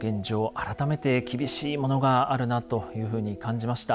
改めて厳しいものがあるなというふうに感じました。